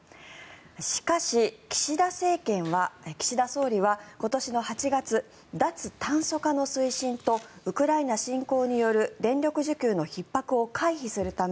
しかし、岸田総理は今年の８月脱炭素化の推進とウクライナ侵攻による電力需給のひっ迫を回避するため